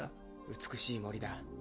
美しい森だ。